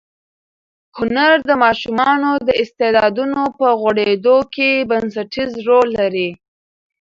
هنر د ماشومانو د استعدادونو په غوړېدو کې بنسټیز رول لري.